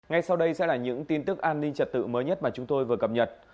ngay sau đây sẽ là những tin tức an ninh trật tự mới nhất mà chúng tôi vừa cập nhật